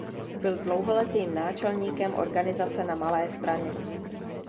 Byl dlouholetým náčelníkem organizace na Malé Straně.